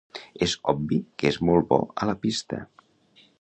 És obvi que és molt bo a la pista.